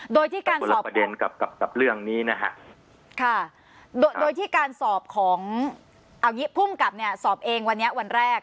โดยที่การสอบของโดยที่การสอบของเอาอย่างงี้พุ่มกับเนี่ยสอบเองวันเนี้ยวันแรก